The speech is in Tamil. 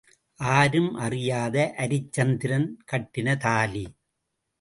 ஆரும் அறியாத அரிச்சந்திரன் கட்டின தாலி.